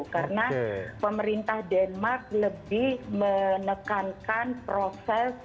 karena pemerintah denmark lebih menekankan proses